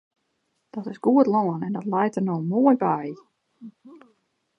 Dat is goed lân en dat leit der no moai by.